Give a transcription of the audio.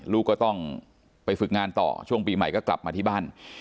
ลูกก็ต้องไปฝึกงานต่อช่วงปีใหม่ก็กลับมาที่บ้าน